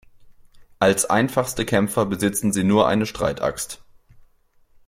Als einfachste Kämpfer besitzen sie nur eine Streitaxt.